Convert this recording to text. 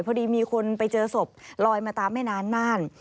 พอดีมีคนไปเจอศพลอยมาตามแม่น้ำน่าน